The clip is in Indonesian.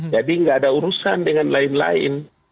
jadi nggak ada urusan dengan lain lain